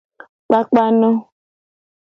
Kpakpano.